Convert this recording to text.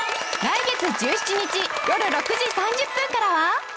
来月１７日よる６時３０分からは